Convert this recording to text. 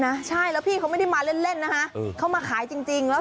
นะใช่แล้วพี่เขาไม่ได้มาเล่นเล่นนะคะเขามาขายจริงจริงแล้ว